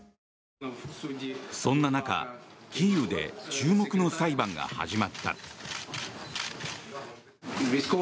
そんな中、キーウで注目の裁判が始まった。